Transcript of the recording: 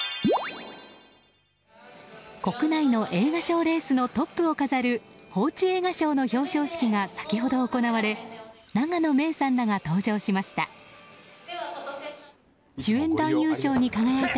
国内の映画賞レースのトップを飾る報知映画賞の表彰式が先ほど行われ永野芽郁さんらが登場しました。